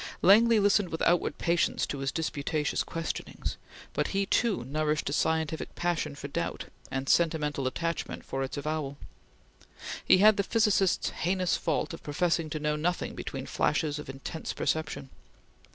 Langley listened with outward patience to his disputatious questionings; but he too nourished a scientific passion for doubt, and sentimental attachment for its avowal. He had the physicist's heinous fault of professing to know nothing between flashes of intense perception.